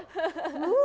うわ。